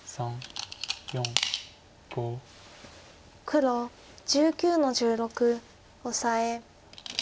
黒１９の十六オサエ。